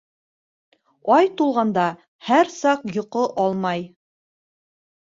Ай тулғанда һәр саҡ йоҡо алмай.